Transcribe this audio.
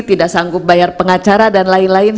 tidak sanggup bayar pengacara dan lain lain